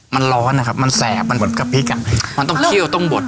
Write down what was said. มันร้อนนะครับมันแสบมันบดกะพริกอ่ะมันต้องเคี่ยวต้องบด